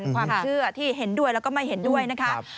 ความเชื่อที่เห็นด้วยแล้วก็ไม่เห็นด้วยนะคะ